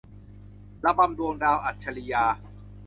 ระบำดวงดาว - อัจฉรียา